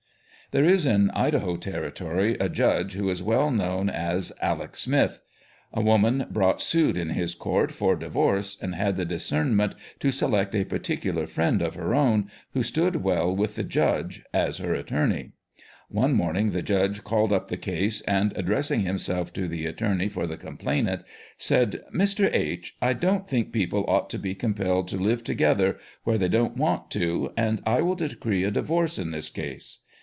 There is in Idaho territory a judge who is well known as " Alec Smith." A woman brought suit in his court for divorce, and had the discernment to select a particular friend of icr own, who stood well witli the judge, as her attorney. One morning the judge called up ;he case, and addressing himself to the attorney 'or tke complainant, said :" Mr. H., I don't ;hink people ought to be compelled to live together where they don't want to, and I will decree a divorce in this case."